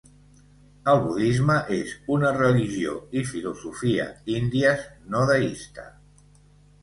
El budisme és una religió i filosofia índies no deista.